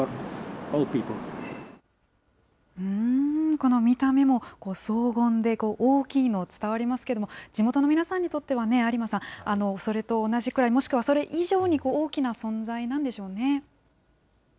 この見た目も荘厳で、大きいの、伝わりますけれども、地元の皆さんにとってはね、有馬さん、それと同じくらい、もしくはそれ以上に大きな存在なんでしょうね。